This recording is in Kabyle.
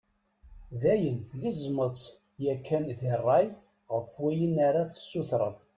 D ayen tgezmeḍ-tt yakan di ṛṛay ɣef wayen ara tessutred?